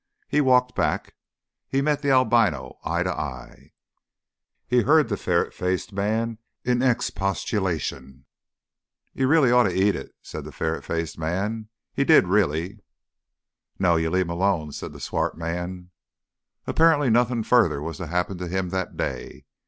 He walked back. He met the albino eye to eye. He heard the ferret faced man in expostulation. "'E reely ought, eat it," said the ferret faced man. "'E did reely." "No you leave 'im alone," said the swart man. Apparently nothing further was to happen to him that day.